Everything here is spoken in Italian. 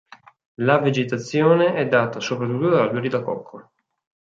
La vegetazione è data soprattutto da alberi da cocco.